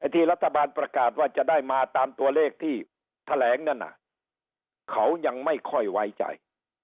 ที่รัฐบาลประกาศว่าจะได้มาตามตัวเลขที่แถลงนั่นน่ะเขายังไม่ค่อยไว้ใจ